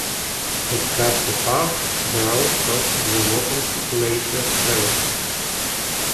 At Custer Park, the route crosses the Wauponsee Glacial Trail.